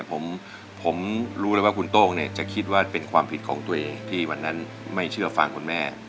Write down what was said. ผมรู้แล้วว่าคุณโต้งเนี่ยจะคิดว่าเป็นความผิดของตัวเองที่วันนั้นไม่เชื่อฟังคุณแม่